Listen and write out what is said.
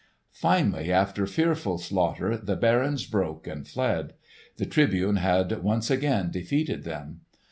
Finally after fearful slaughter the barons broke and fled. The Tribune had once again defeated them.